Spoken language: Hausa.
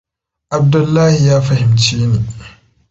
Abdullahi ya fahimce ni.